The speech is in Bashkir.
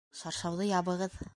Шаршауҙы ябығыҙ!